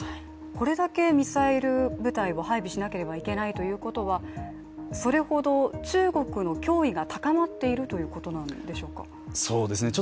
これだけミサイル部隊を配備しなければいけないということはそれほど中国の脅威が高まっているということなんでしょうか？